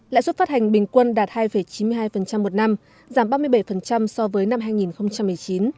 lãi suất phát hành bình quân đạt hai chín mươi hai một năm giảm ba mươi bảy so với năm hai nghìn một mươi chín